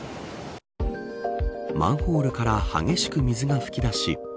マンホールからは激しく水が噴き出し